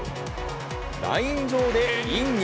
ライン上でインに。